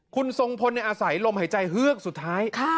คุณทรงพลอาศัยลมหายใจเฮือกสุดท้าย